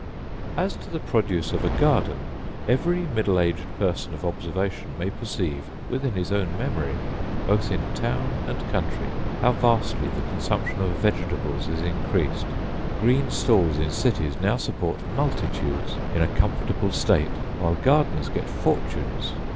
As to the produce of a garden, every middle aged person of observation may perceive, within his own memory, both in town and country, how vastly the consumption of vegetables is increased. Green stalls in cities now support multitudes in a comfortable state, while gardeners get fortunes.